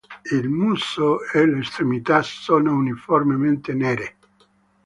Il muso e le estremità sono uniformemente nere.